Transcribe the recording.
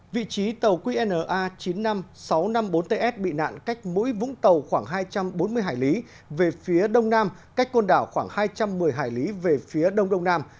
vị trí tàu qna chín mươi năm nghìn sáu trăm năm mươi bốn ts bị nạn cách mũi vũng tàu khoảng hai trăm bốn mươi hải lý về phía đông nam cách côn đảo khoảng hai trăm một mươi hải lý về phía đông đông nam